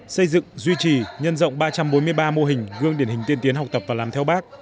xây dựng duy trì nhân rộng ba trăm bốn mươi ba mô hình gương điển hình tiên tiến học tập và làm theo bác